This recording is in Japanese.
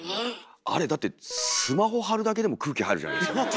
あれだってスマホ貼るだけでも空気入るじゃないですか。